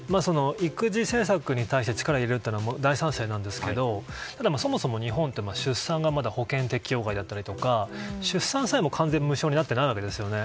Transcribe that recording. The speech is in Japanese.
育児政策に対して力を入れるというのは大賛成なんですけどそもそも日本って出産が保険適用外だったりとか出産さえも完全に無償になってないわけですよね。